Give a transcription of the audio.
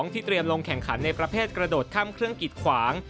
ที่เตรียมลงแข่งขันในประเภทกระโดดข้ามเครื่องกิดขวาง